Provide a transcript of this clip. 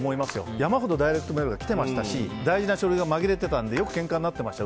山ほどダイレクトメールが来てましたし大事な書類が紛れてたのでよくけんかになってました。